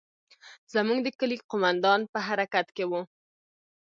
زموږ د کلي قومندان په حرکت کښې و.